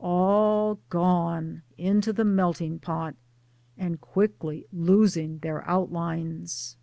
All gone into the melting pot and quickly losing their outlines